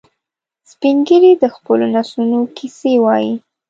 سپین ږیری د خپلو نسلونو کیسې وایي